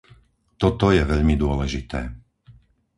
Toto je veľmi dôležité.